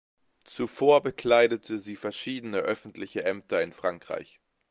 Zuvor bekleidete sie verschiedene öffentliche Ämter in Frankreich.